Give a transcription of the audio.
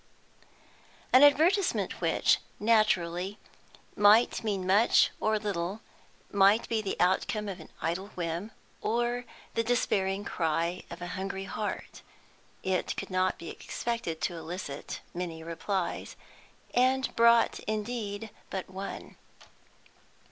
An advertisement which, naturally, might mean much or little, might be the outcome of an idle whim, or the despairing cry of a hungry heart. It could not be expected to elicit many replies; and brought indeed but one.